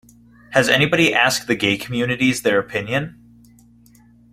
Has anybody asked the gay communities their opinion?